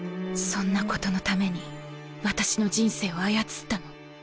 そんなことのために私の人生を操ったの？